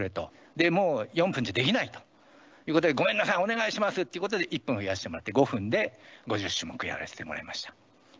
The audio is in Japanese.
で、もう４分じゃできないということで、ごめんなさい、お願いしますということで１分増やしてもらって、５分で５０種目やらせてもらいました。